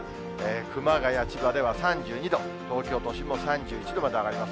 熊谷、千葉では３２度、東京都心も３１度まで上がります。